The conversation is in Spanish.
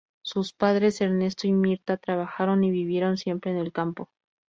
Sus padres, Ernesto y Mirta, trabajaron y vivieron siempre en el campo.